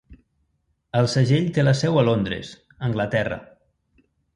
El segell té la seu a Londres, Anglaterra.